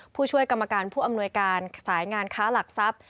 ผู้ช่วยกรรมการผู้อำนวยการสายงานค้าหลักทรัพย์